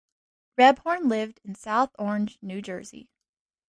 Rebhorn lived in South Orange, New Jersey.